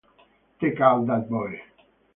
Take out that boy.